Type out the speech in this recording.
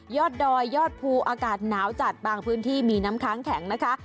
ยอดดอยยอดภูอากาศหนาวจัดบางพื้นที่มีน้ำค้างแข็งนะคะ